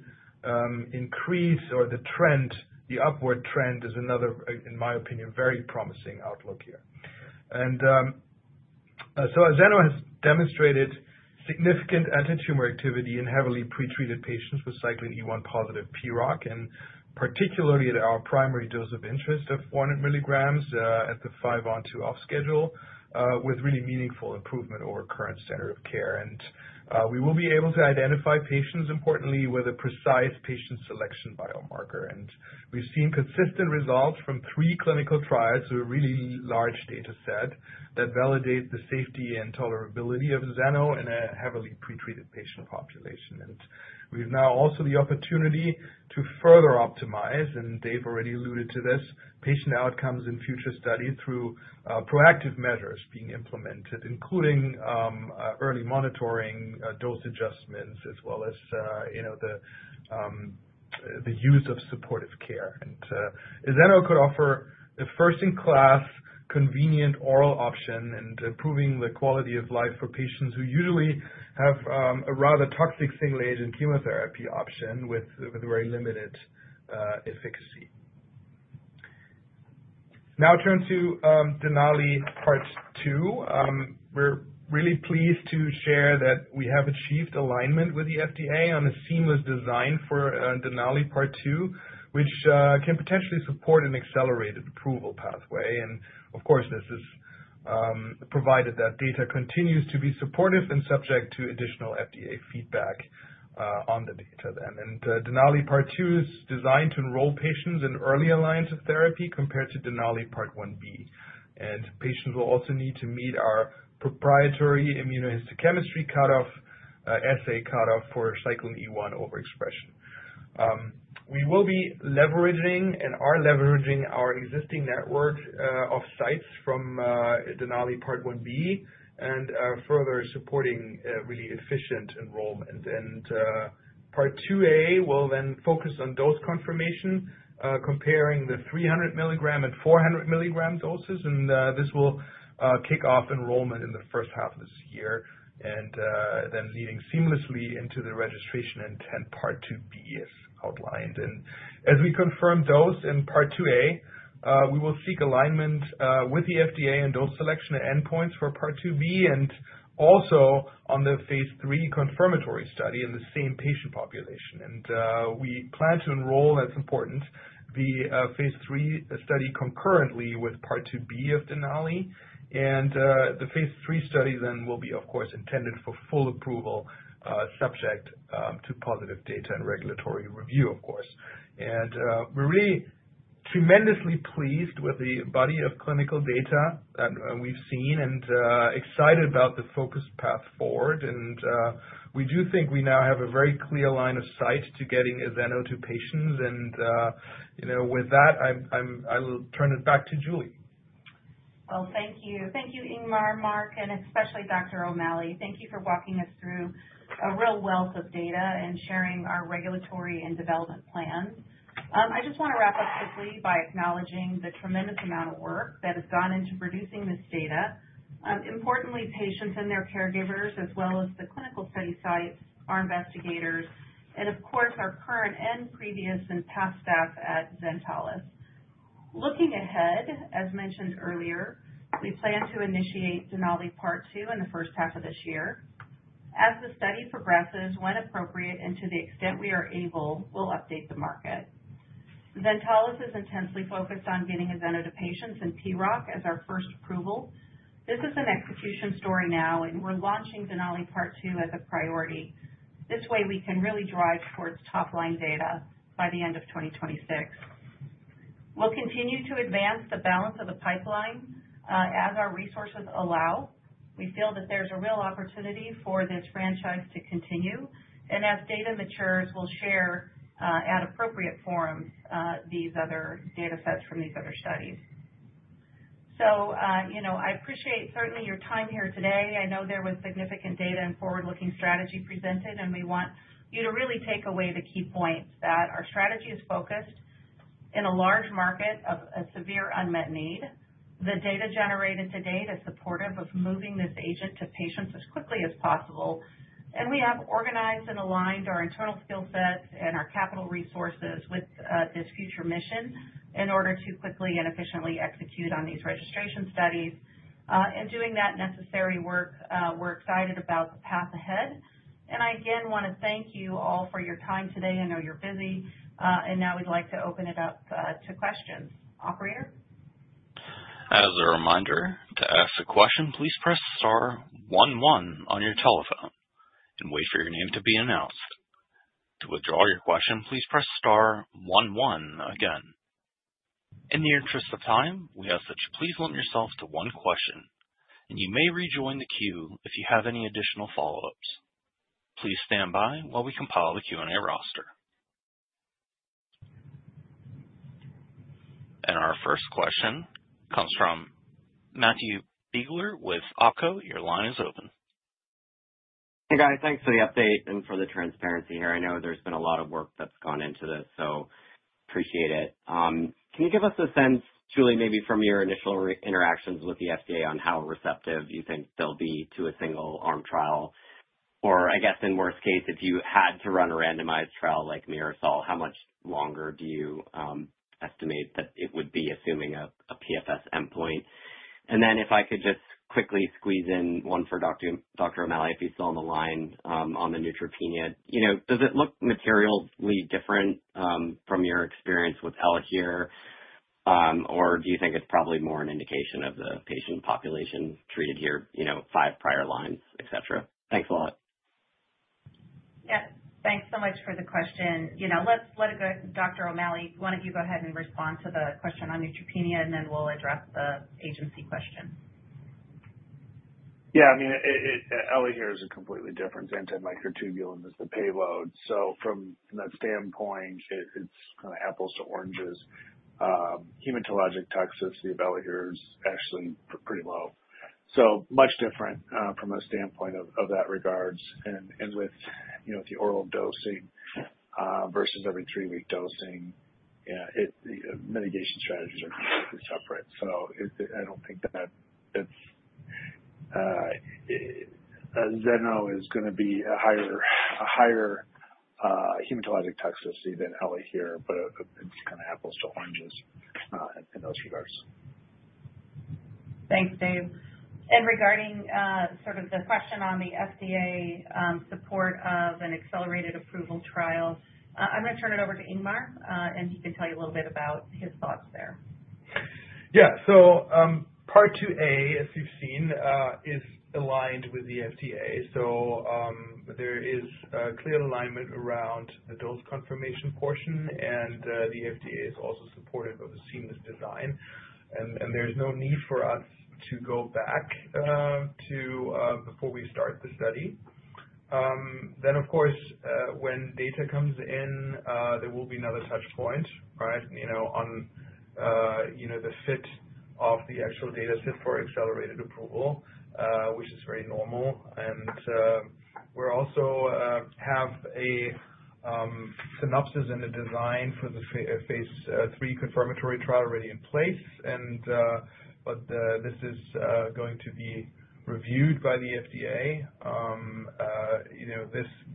increase or the trend, the upward trend is another, in my opinion, very promising outlook here. And so Azeno has demonstrated significant antitumor activity in heavily pretreated patients with cyclin E1 positive PROC and particularly at our primary dose of interest of 400 mg at the 5 on 2 off schedule with really meaningful improvement over current standard of care. And we will be able to identify patients importantly with a precise patient selection biomarker. And we've seen consistent results from three clinical trials with a really large data set that validate the safety and tolerability of Azeno in a heavily pretreated patient population. And we've now also the opportunity to further optimize, and Dave already alluded to this patient outcomes in future study through proactive measures being implemented, including early monitoring, dose adjustments as well as the use of supportive care. Azeno could offer a first-in-class convenient oral option and improving the quality of life for patients who usually have a rather toxic single-agent chemotherapy option with very limited efficacy. Now turn to Denali Part 2. We're really pleased to share that we have achieved alignment with the FDA on a seamless design for Denali Part 2 which can potentially support an accelerated approval pathway. And of course this is provided that data continues to be supportive and subject to additional FDA feedback on the data then and Denali Part 2 is designed to enroll patients in earlier lines of therapy compared to Denali Part 1B. Patients will also need to meet our proprietary immunohistochemistry cutoff assay cutoff for cyclin E1 overexpression. We will be leveraging and are leveraging our existing network of sites from Denali Part 1B and further supporting really efficient enrollment. Part 2A will then focus on dose confirmation comparing the 300 milligram and 400 milligram doses. This will kick off enrollment in the first half of this year and then leading seamlessly into the registration intent. Part 2B's outlined. And as we confirm those in part 2a, we will seek alignment with the FDA and dose selection endpoints for part 2b and also on the phase 3 confirmatory study in the same patient population. And we plan to enroll. That's important. The phase 3 study concurrently with part 2B of Denali and the phase 3 study then will be of course intended for full appropriate approval, subject to positive. Data and regulatory review, of course. And we're really tremendously pleased with the body of clinical data that we've seen and excited about the focused path forward. And we do think we now have a very clear line of sight to getting Azeno to patients. And with that I will turn it back to Julie. Thank you. Thank you Ingmar, Mark and especially Dr. O'Malley. Thank you for walking us through a real wealth of data and sharing our regulatory and development plans. I just want to wrap up quickly by acknowledging the tremendous amount of work that has gone into producing this data. Importantly, patients and their caregivers, as well as the clinical study sites, our investigators, and of course our current and previous and past staff at Zentalis. Looking ahead, as mentioned earlier, we plan to initiate Denali Part 2 in the first half of this year. As the study progresses, when appropriate and to the extent we are able, we'll update the market. Zentalis is intensely focused on getting azenosertib and PROC as our first approval. This is an execution story now and we're launching Denali Part 2 as a priority. This way we can really draw towards top line data by the end of 2026. We'll continue to advance the balance of the pipeline as our resources allow. We feel that there's a real opportunity for this franchise to continue and as data matures, we'll share at appropriate forums these other data sets from these other studies. So you know, I appreciate certainly your time here today. I know there was significant data and forward looking strategy presented and we want you to really take away the key points that our strategy is focused in a large market of a severe unmet need. The data generated to date is supportive of moving this agent to patients as quickly as possible. And we have organized and aligned our internal skill sets and our capital resources with this future mission in order to quickly and efficiently execute on these registration studies and doing that necessary work. We're excited about the path ahead and I again want to thank you all for your time today. I know you're busy and now we'd like to open it up to questions. Operator. As a reminder to ask a question, please press star 11 on your telephone. And wait for your name to be announced. To withdraw your question, please press star one one. Again, in the interest of time, we. Ask that you please limit yourself to one question and you may rejoin the queue if you have any additional follow-ups. Please stand by while we compile the Q&A roster. And our first question comes from Matthew Biegler with OpCo. Your line is open. Hey guys, thanks for the update and for the transparency here. I know there's been a lot of work that's gone into this, so appreciate it. Can you give us a sense, Julie, maybe from your initial interactions with the FDA on how receptive you think they'll be to a single-arm trial? Or I guess in worst case, if you had to run a randomized trial like MIRASOL, how much longer do you estimate that it would be? Assuming a PFS endpoint and then if I could just quickly squeeze in one for Dr. O'Malley, if you saw the line on the neutropenia, does it look materially different from your experience with Elahere, or do you think it's probably more an indication of the patient population treated here, you know, five prior lines, et cetera? Thanks a lot. Yeah, thanks so much for the question. You know, let's let it go. Dr. O'Malley, why don't you go ahead and respond to the question on neutropenia and then we'll address the agency question. Yeah, I mean, Elahere is a completely different. An ADC, tubulin is the payload. So from that standpoint, it's kind of apples to oranges. Hematologic toxicity of Elahere is actually pretty low. So much different from a standpoint of that regards. And with the oral dosing versus every three-week dosing, mitigation strategies are separate. So I don't think that it's Azeno is going to be a higher hematologic toxicity than Elahere, but it's kind of apples to oranges in those regards. Thanks, Dave. Regarding sort of the question on the FDA support of an accelerated approval trial, I'm going to turn it over to Ingmar and he can tell you a little bit about his thoughts there. Yeah. Part 2A, as you've seen, is aligned with the FDA. There is clear alignment around the dose confirmation portion. The FDA is also supportive of a seamless design. There's no need for us to go back to before we start the study. Of course, when data comes in, there will be another touch point on the fit of the actual data set for accelerated approval, which is very normal. We also have a synopsis and a design for the phase three confirmatory trial already in place, but this is going to be reviewed by the FDA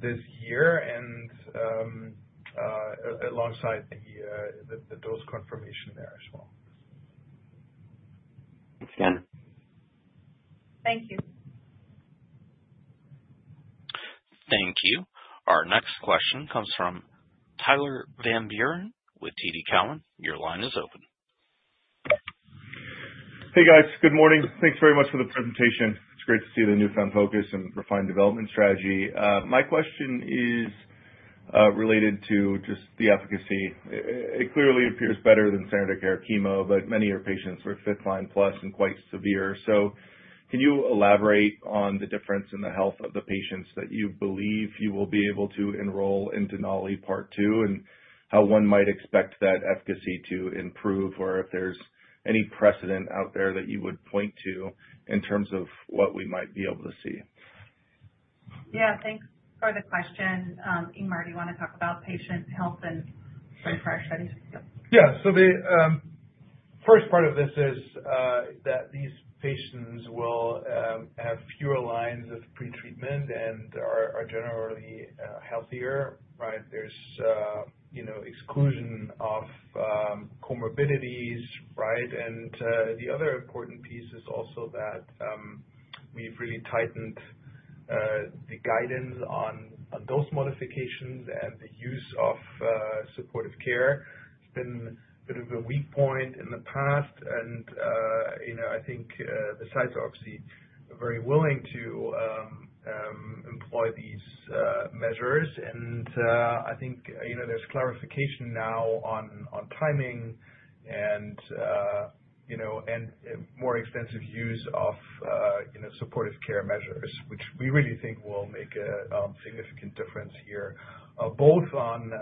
this year and alongside the dose confirmation there as well. Thanks again. Thank you. Thank you. Our next question comes from Tyler Van Buren. Buren with TD Cowen. Your line is open. Hey, guys, good morning. Thanks very much for the presentation. Great to see the newfound focus and refined development strategy. My question is related to just the efficacy. It clearly appears better than standard of care chemo, but many of your patients are fifth line plus and quite severe. So can you elaborate on the difference. In the health of the patients that. You believe you will be able to enroll in Denali Part 2, and how one might expect that efficacy to improve or if there's any precedent out there? That you would point to in terms of what we might be able to see? Yeah, thanks for the question. Ingmar, do you want to talk about patient health and prior studies? Yeah. The first part of this is that these patients will have fewer lines of pre-treatment and are generally healthier. Right. There's exclusion of comorbidities. Right. And the other important piece is also that we've really tightened the guidance on those modifications and the use of supportive care. It's been a bit of a week. Point in the past, and you know, I think the sites are obviously very willing to employ these measures. And I think, you know, there's clarification now on timing and, you know, and more extensive use of, you know, supportive. Care measures, which we really think will. Make a significant difference here both on,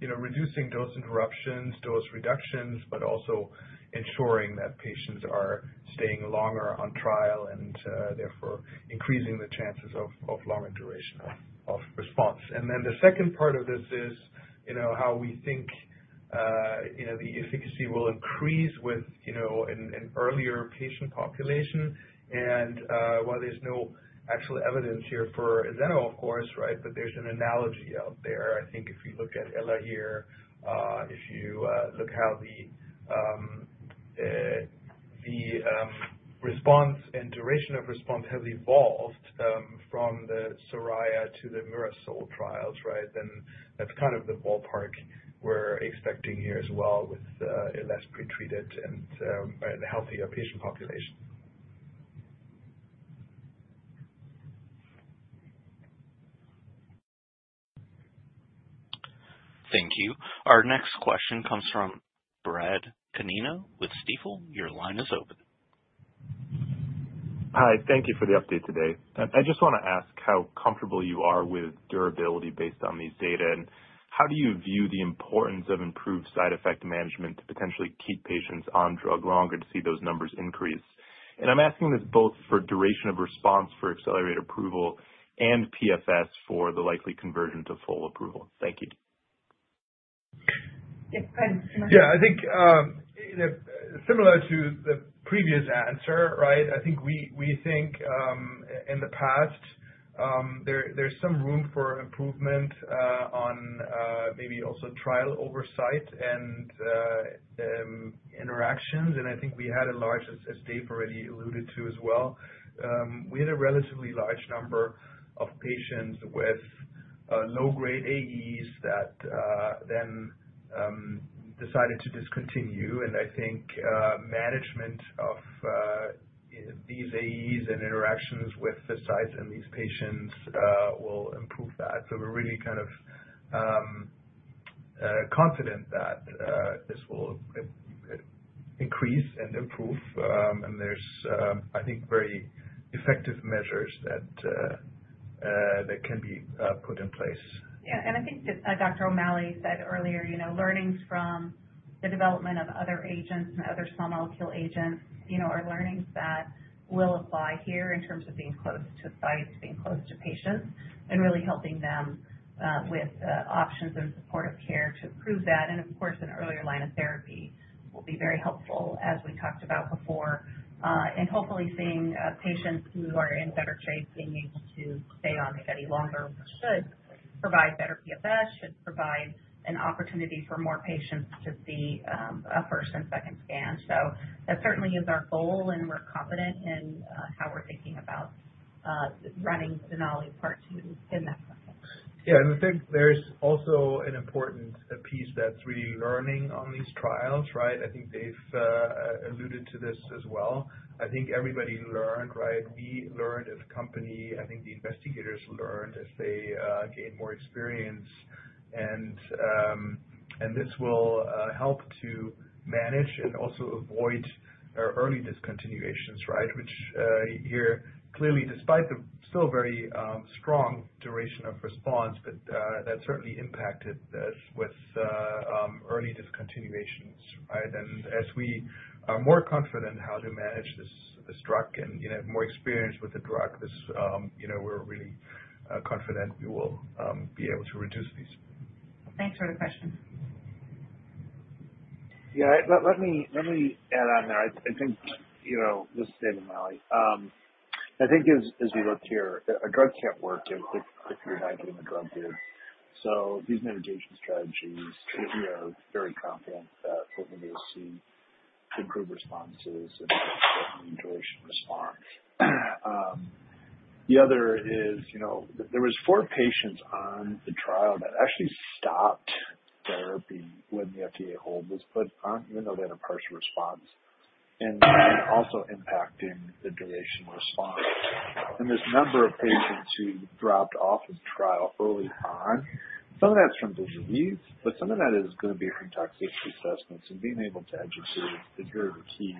you know, reducing dose interruptions, dose reductions, but also ensuring that patients are staying alone longer on trial and therefore increasing. The chances of longer duration of response. Then the second part of this is how we think the efficacy will increase with an earlier patient population. While there's no actual evidence here for Azeno, of course, but there's an analogy out there. I think if you look at Elahere. Here, if you look, look how the. Response and duration of response has evolved from the SORAYA to the MIRASOL trials. Right. Then that's kind of the ballpark we're. Expecting here as well, with less pretreated and healthier patient population. Thank you. Our next question comes from Brad Canino with Stifel. Your line is open. Hi. Thank you for the update today. I just want to ask how comfortable? You are with durability based on these. Data, and how do you view the? Importance of improved side effect management to potentially keep patients on drug longer. See those numbers increase. And I'm asking this both for duration. ORR for accelerated approval and PFS for the likely conversion to full approval. Thank you. Yeah, I think similar to the previous answer. Right. I think we think in the past there's some room for improvement on maybe also trial oversight and interactions. And I think we had a large. Already alluded to as well. We had a relatively large number of patients with low grade AES that then decided to discontinue. And I think management of these AES. Interactions with the sites and these. Patients will improve that. So we're really kind of confident that this will increase and improve, and there's, I think, very effective measures that can. Be put in place. Yeah. And I think Dr. O'Malley said earlier, you know, learnings from the development of other agents and other small molecule agents, you know, are learnings that will apply here in terms of being close to sites, being close to patients and really helping them with options in supportive care to improve that. And of course, an earlier line of therapy will be very helpful, as we talked about before. And hopefully seeing patients who are in better shape, being able to stay on the study longer should provide better PFS, should provide an opportunity for more patients to see a first and second scan. So that certainly is our goal and we're confident in having how we're thinking about running Denali Part 2 in that. Yeah. And I think there's also an important piece that's really learning on these trials. Right. I think they've alluded to this as well. I think everybody learned. Right. We learned as a company. I think the investigators learned as they gained more experience and this will help to manage and also avoid early discontinuations. Right. Which here clearly, despite the still very strong duration of response. But that certainly impacted this with early discontinuations. And as we are more confident how to manage this drug and have more experience with the drug, we're really confident we will be able to reduce these. Thanks for the question. Yeah, let me add on there, I. This, you know, this is David O'Malley. I think as we looked here, a drug can't work if you're not getting a drug. So these mitigation strategies, we are very confident that we'll see improved responses and duration response. The other is, you know, there were four patients on the trial that actually stopped therapy when the FDA hold was put on, even though they had a partial response and also impacting the duration response and there's a number of patients who dropped off of trial early on. Some of that's from disease, but some of that is going to be from toxicity assessments. And being able to educate is really key.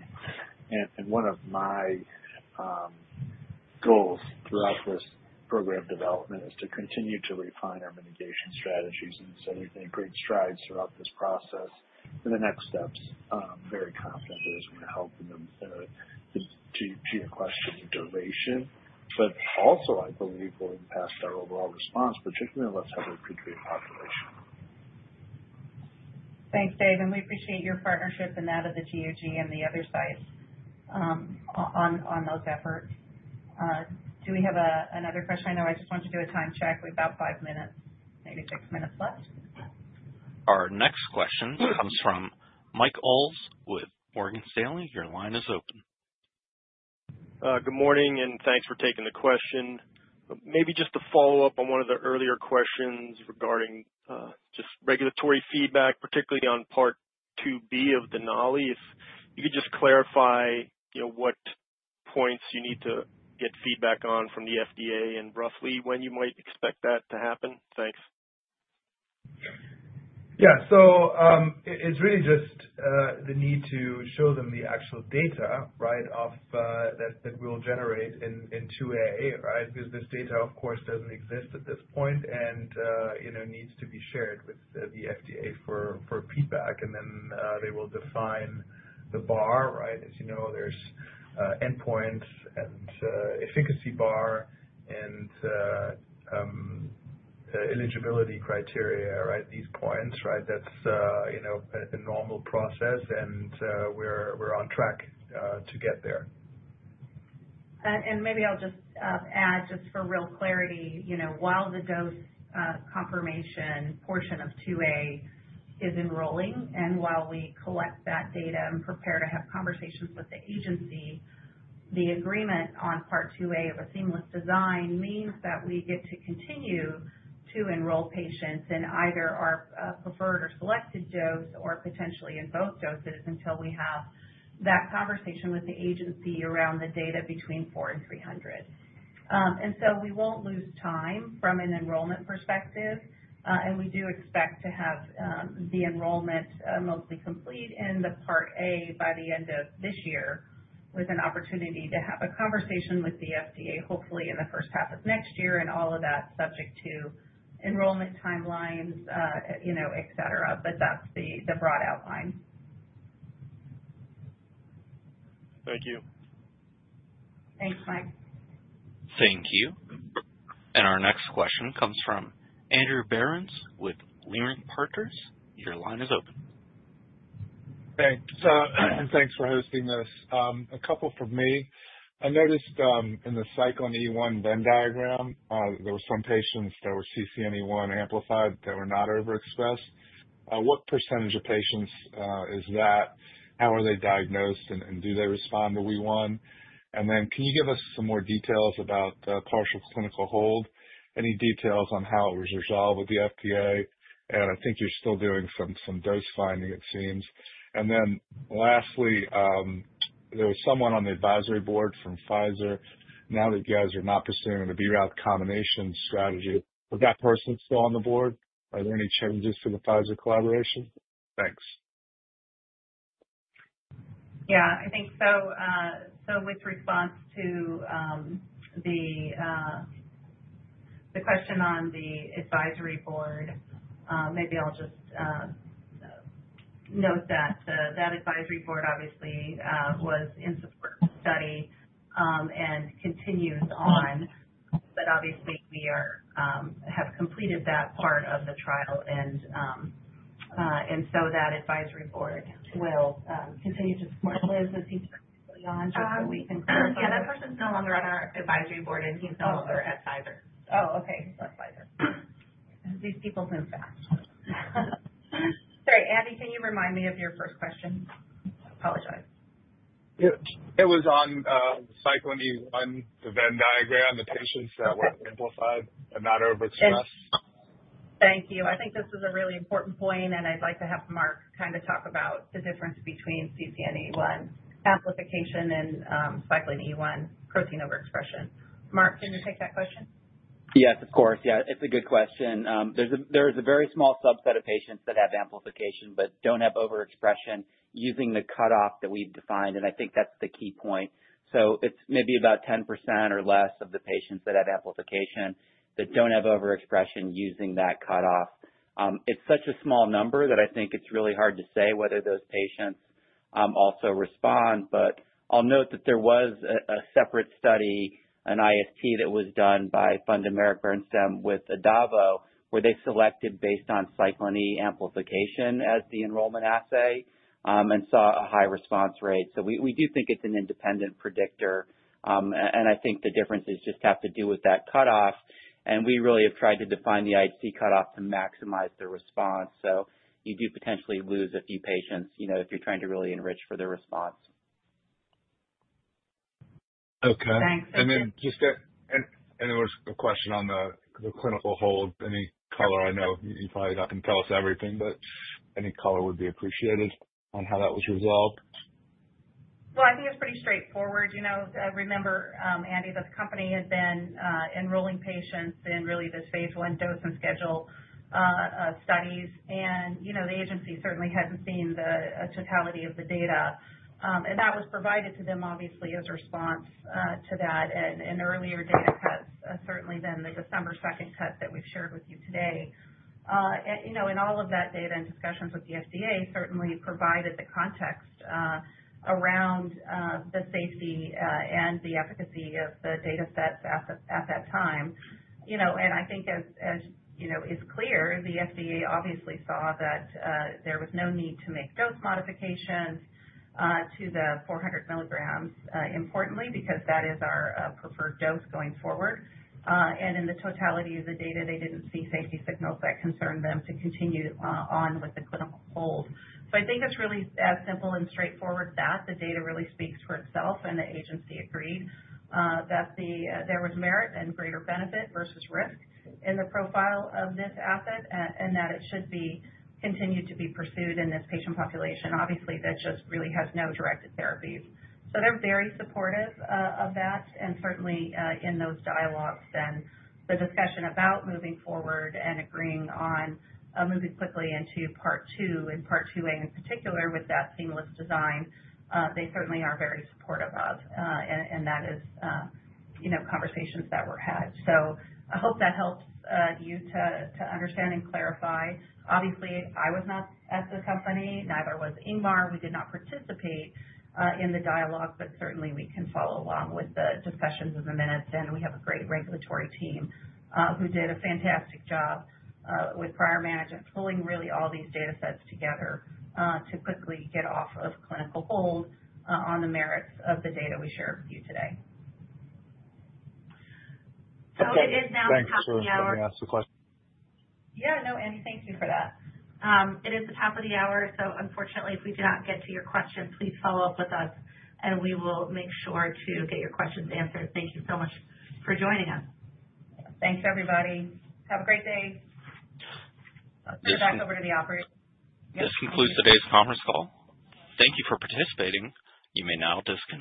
And one of my goals throughout this program development is to continue to refine our mitigation strategies. And so we've made great strides throughout this process in the next steps. Very confident that it's going to help your question duration, but also, I believe will impact our overall response, particularly in less heavily pretreated population. Thanks, Dave. And we appreciate your partnership and that of the GOG and the other sites on those efforts. Do we have another question? I know, I just want to do a time check. We have about five minutes, maybe six minutes left. Our next question comes from Mike Ulz with Morgan Stanley. Your line is open. Good morning and thanks for taking the question. Maybe just a follow up on one. Of the earlier questions regarding just regulatory. Feedback, particularly on Part 2B of Denali. If you could just clarify what points you need to get feedback on from the FDA and roughly when you might expect that to happen? Thanks. Yeah, so it's really just the need to show them the actual data. Right. That we'll generate in 2A. Right. Because this data, of course, doesn't exist at this point and needs to be. Shared with the FDA for feedback. And then they will define the bar. Right. As you know, there's endpoints and efficacy bar and eligibility criteria, these points. Right. That's a normal process and we're on. Track to get there. Maybe I'll just add, just for real clarity, you know, while the dose confirmation portion of 2A is enrolling and while we collect that data and prepare to have conversations with the agency, the agreement on Part 2A of a seamless design means that we get to continue to enroll patients in either our preferred or selected dose or potentially in both doses until we have that conversation with the agency around the data between 400 and 300. So we won't lose time from an enrollment perspective. We do expect to have the enrollment mostly complete in the part A by the end of this year with an opportunity to have a conversation with the FDA hopefully in the first half of next year and all of that stuff, subject to enrollment timelines, et cetera, but that's the broad outline. Thank you. Thanks, Mike. Thank you. Our next question comes from Andrew Berens with Leerink Partners. Your line is open. Thanks. Thanks for hosting this. A couple for me. I noticed in the cyclin E1 Venn. There were some patients that were. amplified that were not overexpressed? What percentage of patients is that? How are they diagnosed and do they respond to E1? And then can you give us some more details about partial clinical hold? Any details on how it was resolved with the FDA? And I think you're still doing some. Dose finding it seems. Then lastly there was someone on. The advisory board from Pfizer. Now that you guys are not pursuing the BRAF combination strategy with that person still on the board, are there any changes to the Pfizer collaboration? Thanks. Yeah, I think so. In response to the question on the advisory board, mayb e I'll just note that that advisory board obviously was in support of the study and continues on, but obviously we have completed that part of the trial and so that advisory board will continue to support Liz as he turns that person's no longer on our advisory board and he. Pfizer. Oh, okay. These people move fast. Sorry, Andy, can you remind me of your first question? Apologize. It was on cyclin E1, the Venn. Diagram the patients that were amplified and not overexpressed. Thank you. I think this is a really important point and I'd like to have Mark kind of talk about the difference between CCNE1 and amplification and cyclin E1 protein overexpression. Mark, can you take that question? Yes, of course. Yeah, it's a good question. There is a very small subset of patients that have amplification but don't have overexpression using the cutoff that we've defined. And I think that's the key point. So it's maybe about 10% or less of the patients that have amplification that don't have overexpression using that cutoff. It's such a small number that I think it's really hard to say whether those patients also respond. But I'll note that there was a separate study, an IST that was done by Funda Meric-Bernstam with ADAVO where they selected based on cyclin E amplification as the enrollment assay and saw a high response rate. So we do think it's an independent predictor. And I think the differences just have to do with that cutoff. And we really have tried to define the IHC cutoff to maximize the response. So you do potentially lose a few patients, you know, if you're trying to really enrich for the response. Okay, thanks. There was a question on the clinical hold, any color? I know you probably not going to. Tell us everything, but any color would. Be appreciated on how that was resolved. I think it's pretty straightforward. You know, remember, Andy, the company had been enrolling patients in really this phase one dose and schedule studies. You know, the agency certainly hasn't seen the totality of the data. That was provided to them obviously, as a response to that and earlier data cuts certainly than the December 2 cut that we've shared with you today. You know, all of that data and discussions with the FDA certainly provided the context around the safety and the efficacy of the data sets at that time. I think, as is clear, the FDA obviously saw that there was no need to make dose modifications to the 400 milligrams, importantly, because that is our preferred dose going forward. In the totality of the data, they didn't see safety signals that concerned them to continue on with the clinical hold. So I think it's really as simple and straightforward that the data really speaks for itself. And the agency agreed that there was merit and greater benefit versus risk in the profile of this asset and that it should be continued to be pursued in this patient population. Obviously that just really has no directed therapies. So they're very supportive of that. And certainly in those dialogues then the discussion about moving forward and agreeing on moving quickly into Part 2 and Part 2A in particular with that seamless design, they certainly are very supportive of. And that is, you know, conversations that were had. So I hope that helps you to understand and clarify. Obviously, I was not at the company, neither was Ingmar. We did not participate in the dialogue, but certainly we can follow along with the discussions in the minutes. And we have a great regulatory team who did a fantastic job with prior management pulling really all these data sets together to quickly get off of clinical hold on the merits of the data we share with you today. So it is now. Thanks for letting me ask the question. Yeah, no, Andy, thank you for that. It is the top of the hour, so unfortunately, if we do not get to your question, please follow up with us and we will make sure to get your questions answered. Thank you so much for joining us. Thanks, everybody. Have a great day. This concludes today's conference call. Thank you for participating. You may now disconnect.